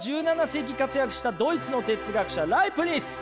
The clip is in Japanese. １７世紀活躍したドイツの哲学者ライプニッツ！